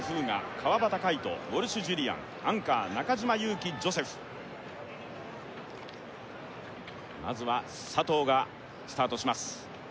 川端魁人ウォルシュ・ジュリアンアンカー中島佑気ジョセフまずは佐藤がスタートします